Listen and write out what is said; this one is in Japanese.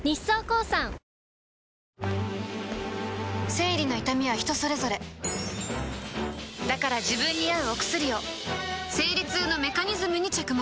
生理の痛みは人それぞれだから自分に合うお薬を生理痛のメカニズムに着目